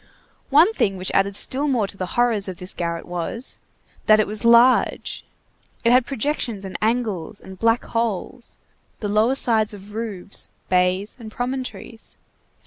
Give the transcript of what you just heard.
One thing which added still more to the horrors of this garret was, that it was large. It had projections and angles and black holes, the lower sides of roofs, bays, and promontories.